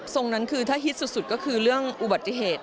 นั้นคือถ้าฮิตสุดก็คือเรื่องอุบัติเหตุ